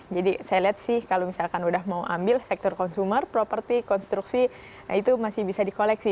jadi saya lihat sih kalau misalkan udah mau ambil sektor consumer properti konstruksi itu masih bisa di koleksi